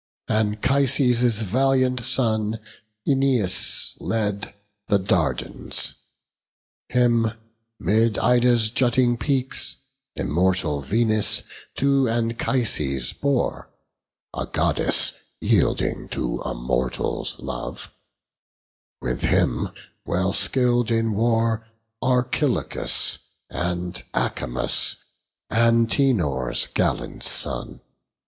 Anchises' valiant son, Æneas, led The Dardans; him, 'mid Ida's jutting peaks, Immortal Venus to Anchises bore, A Goddess yielding to a mortal's love: With him, well skill'd in war, Archilochus And Acamas, Antenor's gallant sons.